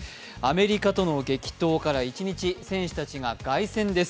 米国との激闘から一日選手たちが凱旋です。